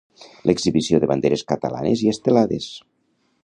L'exhibició de banderes catalanes i estelades.